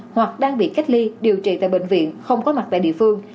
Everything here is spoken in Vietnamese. hoặc đang bị cách ly điều trị tại bệnh viện không có mặt tại địa phương